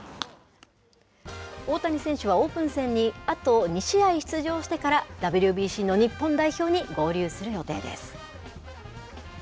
大谷選手はオープン戦にあと２試合出場してから、ＷＢＣの日本代表に合流する予定です。